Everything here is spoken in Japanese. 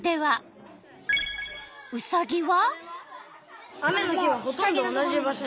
ウサギは？